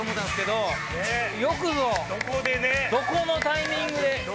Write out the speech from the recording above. どこのタイミングで。